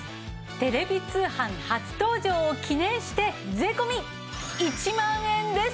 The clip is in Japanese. テレビ通販初登場を記念して税込１万円です。